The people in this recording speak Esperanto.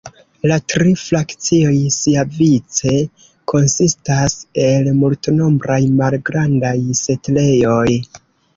La tri frakcioj siavice konsistas el multnombraj malgrandaj setlejoj.